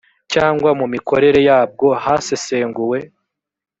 cyangwa mu mikorere yabwo hasesenguwe